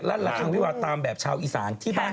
หล้านหลังวิวาตามแบบชาวอีสาน